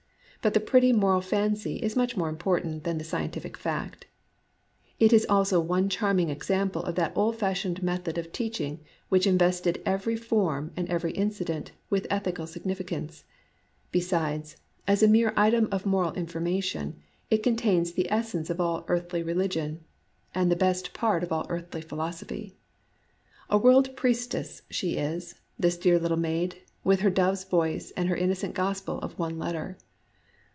But the pretty moral fancy is much more important than the scientific fact. It is also one charming exam ple of that old fashioned method of teaching which invested every form and every incident with ethical signification. Besides, as a mere item of moral information, it contains the essence of all earthly religion, and the best 96 LUST part o£ all earthly philosopliy. A world priestess she is, this dear little maid, with her dove's voice and her innocent gospel of one letter!